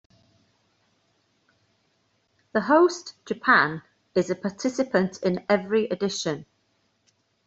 The host, Japan, is a participant in every edition.